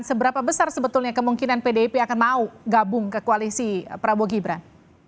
seberapa besar sebetulnya kemungkinan pdip akan mau gabung ke koalisi prabowo gibran